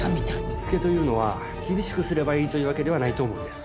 しつけというのは厳しくすればいいというわけではないと思うんです。